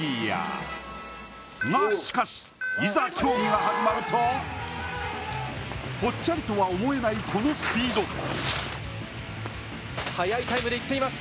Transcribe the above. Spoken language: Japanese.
が、しかしいざ競技が始まるとぽっちゃりとは思えないこのスピード。